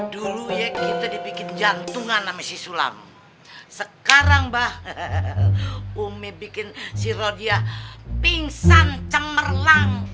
dulu ya kita dibikin jantungan nama si sulam sekarang bah ummi bikin siro dia pingsan cemerlang